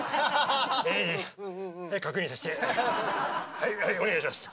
「はいはいお願いします」。